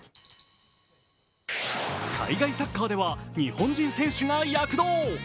海外サッカーでは日本人選手が躍動。